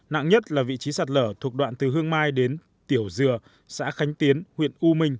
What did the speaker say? nặng nhất là vị trí sạt lở thuộc đoạn từ hương mai đến tiểu dừa xã khánh tiến huyện u minh